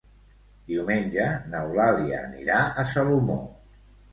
Diumenge n'Eulàlia anirà a Salomó.